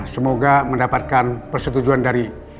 semoga mendapatkan persetujuan dari